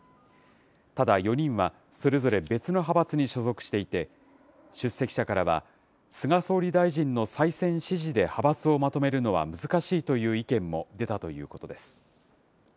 ただ、４人はそれぞれ別の派閥に所属していて、出席者からは、菅総理大臣の再選支持で派閥をまとめるのは難しいという意見も出たということです。